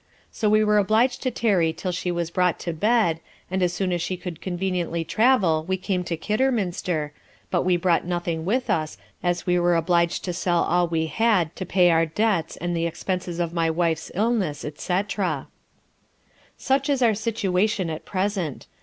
So we were obliged to tarry until she was brought to bed, and as soon as she could conveniently travel we came to Kidderminster, but we brought nothing with us as we were obliged to sell all we had to pay our debts and the expences of my wife's illness, &c. Such is our situation at present.